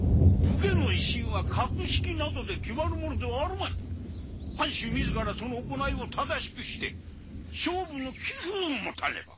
武家の威信は格式などで決まるものではあるまい藩主自らその行いを正しくして尚武の気風をもたねば。